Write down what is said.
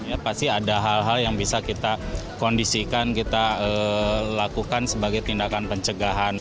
ya pasti ada hal hal yang bisa kita kondisikan kita lakukan sebagai tindakan pencegahan